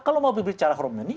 kalau mau bicara harmoni